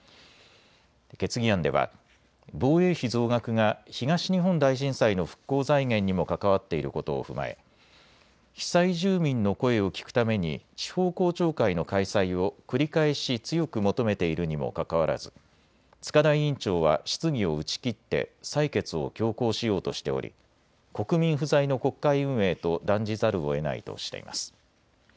決議案では防衛費増額が東日本大震災の復興財源にも関わっていることを踏まえ被災住民の声を聞くために地方公聴会の開催を繰り返し強く求めているにもかかわらず塚田委員長は質疑を打ち切って採決を強行しようとしており国民不在の国会運営と断じざるをえないとしています。